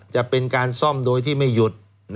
จะเป็นการซ่อมโดยที่ไม่หยุด